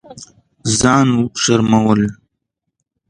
ځان شرمول